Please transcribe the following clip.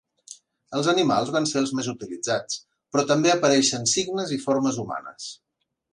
Els animals van ser els més utilitzats però també apareixen signes i formes humanes.